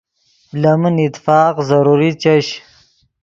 لے من اتفاق ضروری چش